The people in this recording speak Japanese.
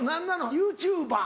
ＹｏｕＴｕｂｅｒ？